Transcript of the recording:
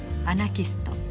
アナキスト